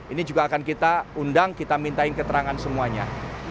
ini juga akan kita undang kita minta keterangan semuanya